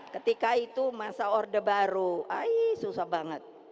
ketika itu masa orde baru ai susah banget